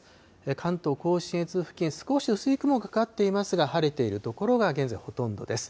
関東甲信越付近、少し薄い雲がかかっていますが、晴れている所が現在、ほとんどです。